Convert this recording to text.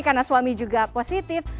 karena suami juga positif